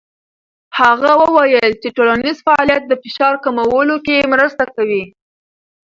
هغه وویل چې ټولنیز فعالیت د فشار کمولو کې مرسته کوي.